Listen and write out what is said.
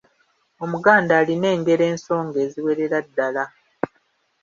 Omuganda alina engero ensonge eziwerera ddala.